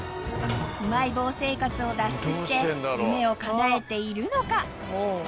うまい棒生活を脱出して夢をかなえているのか？